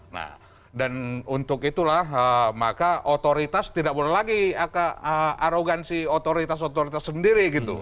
nah dan untuk itulah maka otoritas tidak boleh lagi arogansi otoritas otoritas sendiri gitu